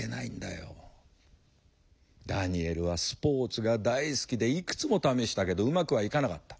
ダニエルはスポーツが大好きでいくつも試したけどうまくはいかなかった。